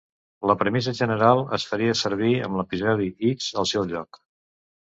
La premissa general es faria servir en l'episodi "X" al seu lloc.